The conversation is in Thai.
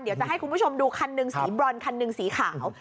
เดี๋ยวจะให้คุณผู้ชมดูคันหนึ่งสีบรอนคันหนึ่งสีขาว